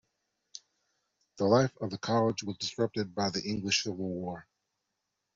The life of the college was disrupted by the English Civil War.